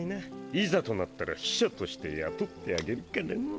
いざとなったら秘書として雇ってあげるから！